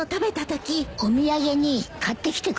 お土産に買ってきてくれるんでしょ？